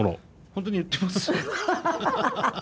本当に言ってます？